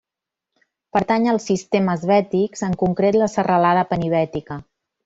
Pertany als sistemes Bètics, en concret la Serralada Penibètica.